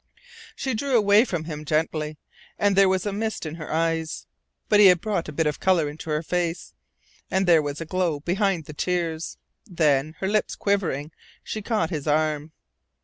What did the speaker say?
She drew away from him gently, and there was a mist in her eyes. But he had brought a bit of colour into her face. And there was a glow behind the tears. Then, her lip quivering, she caught his arm.